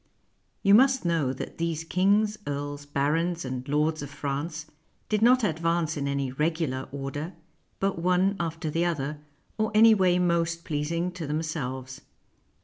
You must know that these kings, earls, barons, and lords of France did not advance in any regular order, but one after the other, or any way most pleasing to them selves.